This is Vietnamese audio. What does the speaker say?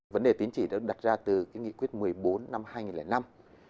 vấn đề tiến chỉ đã được đặt ra từ nghị quyết một mươi bốn năm hai nghìn năm